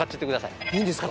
いいんですか？